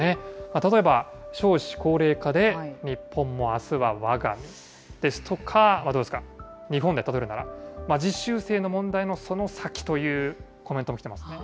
例えば少子高齢化で日本もあすはわが身ですとか、日本で例えるなら、実習生の問題のその先というコメントも来てます。